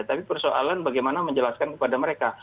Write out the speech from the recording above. tapi persoalan bagaimana menjelaskan kepada mereka